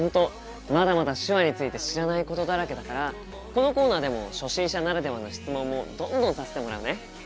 まだまだ手話について知らないことだらけだからこのコーナーでも初心者ならではの質問もどんどんさせてもらうね。